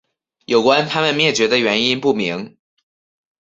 有关它们灭绝的原因不明。